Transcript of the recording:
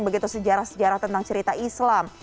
begitu sejarah sejarah tentang cerita islam